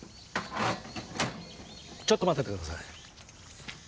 ちょっと待っててください。